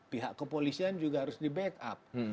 pihak kepolisian juga harus di backup